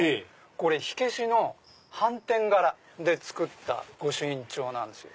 これ火消しのはんてん柄で作った御朱印帳なんですよ。